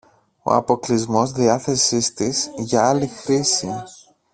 ο αποκλεισμός διάθεσης της για άλλη χρήση